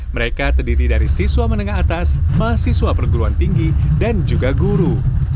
mereka terdiri dari siswa menengah atas mahasiswa perguruan tinggi dan juga guru